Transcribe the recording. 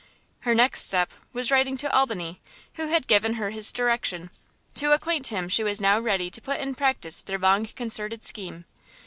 Her next step was writing to Albany, who had given her his direction, to acquaint him she was now ready to put in practice their long concerted scheme.